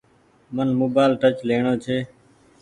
من موبآئيل ٽچ ليڻو ڇي۔